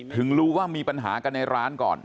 ถึงรู้ว่ามีปัญหากันในร้านก่อน